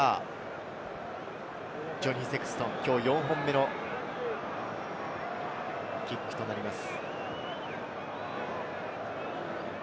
ジョニー・セクストン、きょう４本目のキックとなります。